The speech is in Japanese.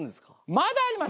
まだあります！